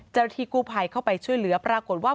จรฐีกูภัยเข้าไปช่วยเหลือปรากฏว่า